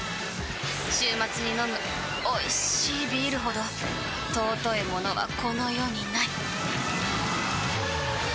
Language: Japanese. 週末に飲むおいしいビールほど尊いものはこの世にない！